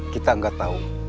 kita gak tahu